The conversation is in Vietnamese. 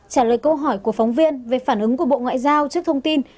trả lời câu hỏi của phóng viên về phản ứng của bộ ngoại giao trước thông tin